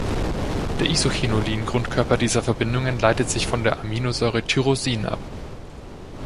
Der Isochinolin-Grundkörper dieser Verbindungen leitet sich von der Aminosäure Tyrosin ab.